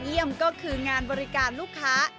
เยี่ยมก็คืองานบริการลูกค้า